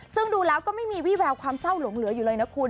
ซึ่งดูแล้วก็ไม่มีวิแววความเศร้าหลงเหลืออยู่เลยนะคุณ